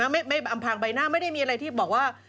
ไม่อำพางใบหน้าไม่ได้มีอะไรที่บอกว่า